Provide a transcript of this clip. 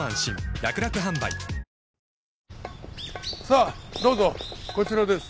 さあどうぞこちらです。